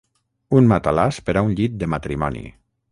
Un matalàs per a un llit de matrimoni.